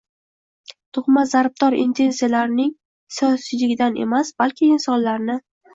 tug‘ma zarbdor intensiyalarning “siyosiyligidan”dan emas, balki insonlarni